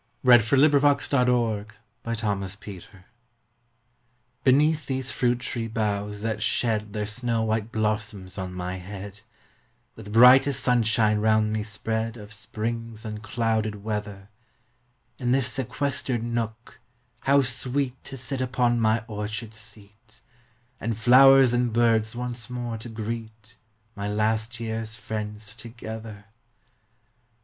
Campbell 335. The Green Linnet "DENFATH these fruit tree boughs that shed •*' Their snow white blossoms on my head, With brightest sunshine round me spread Of spring's unclouded weather, In this sequestered nook how sweet To sit upon my orchard seat! And birds and flowers once more to greet, My last year's friends together.